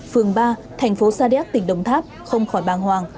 phường ba thành phố sa điác tỉnh đồng tháp không khỏi bàng hoàng